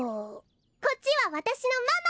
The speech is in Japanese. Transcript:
こっちはわたしのママ！